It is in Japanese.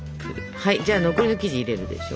はいじゃあ残りの生地入れるでしょ。